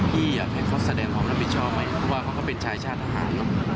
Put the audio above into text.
พี่อยากให้เขาแสดงความรับผิดชอบไหมเพราะว่าเขาก็เป็นชายชาติทหารเนอะ